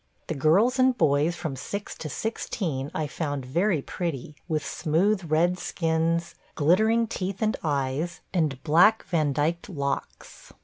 The girls and boys from six to sixteen I found very pretty, with smooth red skins, glittering teeth and eyes, and black Vandyked locks.